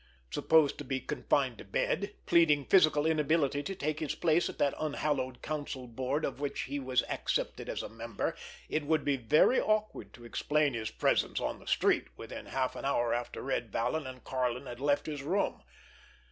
Supposed to be confined to bed, pleading physical inability to take his place at that unhallowed council board of which he was accepted as a member, it would be very awkward to explain his presence on the street within half an hour after Red Vallon and Karlin had left his room!